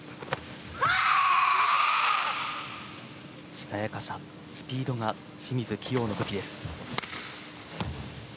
しなやかさ、スピードが清水希容の武器です。